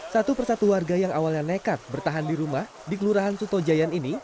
satu persatu warga yang awalnya nekat bertahan di rumah di kelurahan sutojayan ini